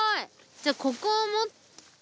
じゃあここを持って。